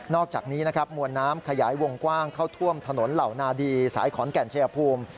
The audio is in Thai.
อกจากนี้นะครับมวลน้ำขยายวงกว้างเข้าท่วมถนนเหล่านาดีสายขอนแก่นชายภูมิ